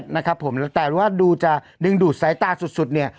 นะครับผมแต่ว่าดูจะดึงดูดสายตาสุดเนี่ย